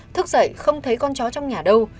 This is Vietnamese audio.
thức dậy không thấy con chó trong nhà đâu